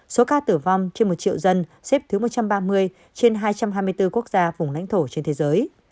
số ca tử vong trên một triệu dân xếp thứ một trăm ba mươi trên hai trăm hai mươi bốn quốc gia vùng lãnh thổ trên thế giới